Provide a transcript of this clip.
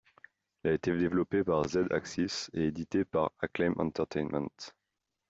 Il a été développé par Z-Axis et édité par Acclaim Entertainment.